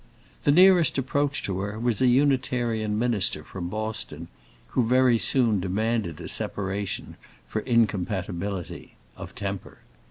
The nearest approach to her was a Unitarian minister from Boston, who very soon demanded a separation, for incompatibility of temper.